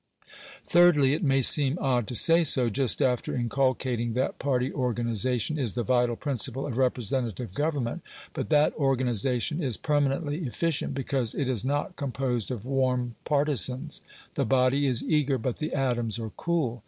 Thirdly, it may seem odd to say so, just after inculcating that party organisation is the vital principle of representative government, but that organisation is permanently efficient, because it is not composed of warm partisans. The body is eager, but the atoms are cool.